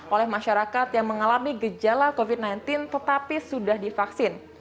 oleh masyarakat yang mengalami gejala covid sembilan belas tetapi sudah divaksin